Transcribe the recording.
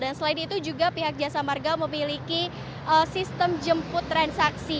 dan selain itu juga pihak jasa marga memiliki sistem jemput transaksi